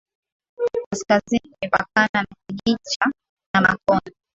Kaskazini kimepakana na Kijiji cha Namakono